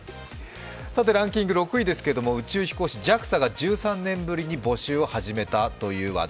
ランキング６位ですけれども、ＪＡＸＡが宇宙飛行士を１３年ぶりに募集を始めたという話題。